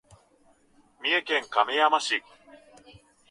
三重県亀山市